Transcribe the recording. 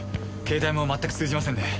携帯も全く通じませんね。